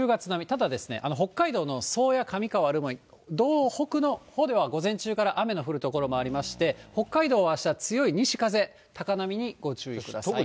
ただですね、北海道の宗谷、上川、留萌、道北のほうでは午前中から雨の降る所もありまして、北海道はあした、強い西風、高波にご注意ください。